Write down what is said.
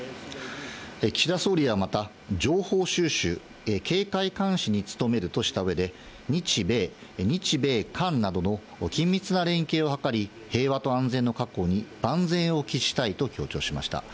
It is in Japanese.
岸田総理はまた、情報収集、警戒監視に努めるとしたうえで、日米、日米韓などの緊密な連携を図り、平和と安全の確保に万全を期したいと強調しました。